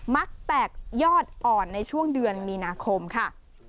มักแตกยอดอ่อนในช่วงเดือนมีนาคมค่ะ